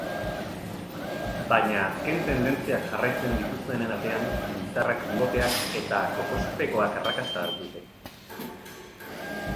Baina azken tendentziak jarraitzen dituztenen artean bizarrak, biboteak eta kokospekoak arrakasta dute?